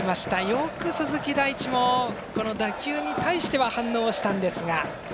よく鈴木大地も打球に対しては反応をしたんですが。